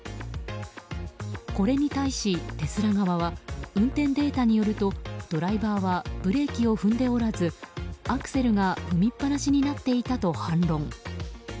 これに対し、テスラ側は運転データによるとドライバーはブレーキを踏んでおらずアクセルが踏みっぱなしになっていたと反論。